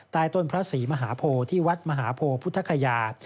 ตายต้นพระศรีมหาโพธิวัฒน์มหาโพธิพุทธคัยา